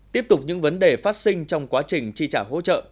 tiếp tục những vấn đề phát sinh trong quá trình chi trả hỗ trợ